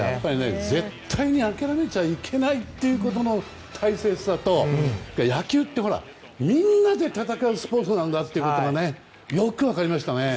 絶対に諦めちゃいけないということの大切さと野球って、みんなで戦うスポーツなんだってことがよく分かりましたね。